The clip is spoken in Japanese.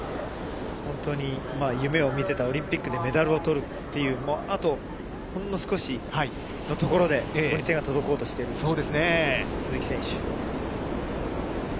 本当に夢を見てたオリンピックでメダルをとるという、あとほんの少しのところでそこに手が届こうとしている都筑選手。